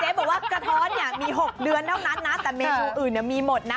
บอกว่ากระท้อนเนี่ยมี๖เดือนเท่านั้นนะแต่เมนูอื่นมีหมดนะ